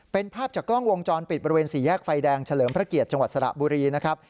เป็นภาพจากกล้องวงจรปิดบริเวณสี่แยกไฟแดงเฉลิมพระเกียรติจังหวัดสระบุรีนะครับ